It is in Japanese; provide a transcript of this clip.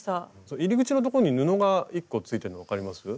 入り口のとこに布が１個ついてるの分かります？